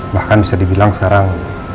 bahkan bisa dibilang sekarang